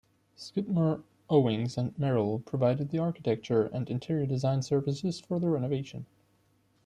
Skidmore, Owings and Merrill provided the architecture and interior design services for the renovation.